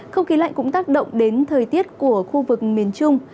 không khí lạnh cũng tác động đến thời tiết của khu vực miền trung